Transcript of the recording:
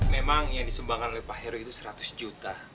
memang yang disumbangkan oleh pak heru itu seratus juta